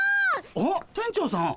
あっ店長さん。